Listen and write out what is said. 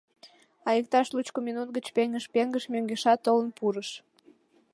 А иктаж лучко минут гыч пеҥыж-пеҥыж мӧҥгешат толын пурыш.